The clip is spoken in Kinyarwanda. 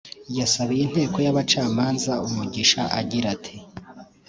yasabiye inteko y’abacamanza umugisha agira ati